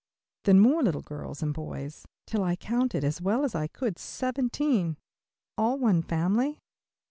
Then more little girls and boys, till I counted, as well as I could, seventeen. All one family?